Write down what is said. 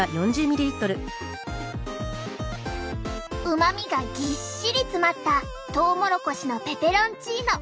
うまみがぎっしり詰まったトウモロコシのペペロンチーノ。